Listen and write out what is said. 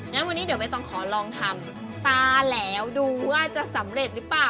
งั้นวันนี้เดี๋ยวใบตองขอลองทำตาแหลวดูว่าจะสำเร็จหรือเปล่า